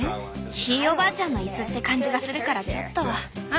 ひいおばあちゃんのイスって感じがするからちょっと。